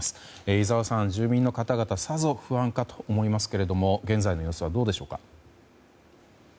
井澤さん、住民の方々さぞ不安かと思いますけども現在の様子はどうでしょうか。